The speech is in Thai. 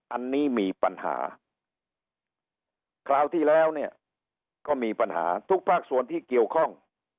อันนี้มีปัญหาคราวที่แล้วเนี่ยก็มีปัญหาทุกภาคส่วนที่เกี่ยวข้อง